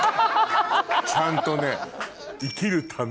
ちゃんとね。